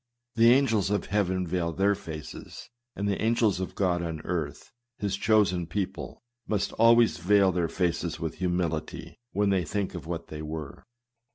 The angels of heaven veil their faces; and the angels of God on earth, his chosen people, must always veil their faces with humility, when they think of what they were.